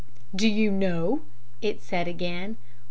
"'Do you know?' it said again.